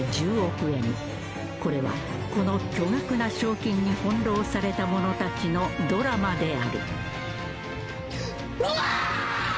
［これはこの巨額な賞金に翻弄された者たちのドラマである］